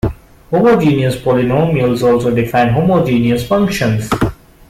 Homogeneous polynomials also define homogeneous functions.